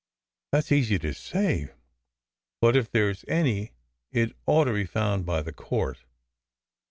"That s easy to say. But if there s any, it ought to be found by the court."